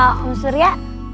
ehm om surya